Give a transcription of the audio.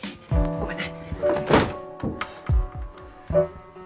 ごめんね。